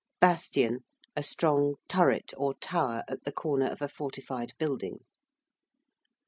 ~bastion~: a strong turret or tower at the corner of a fortified building.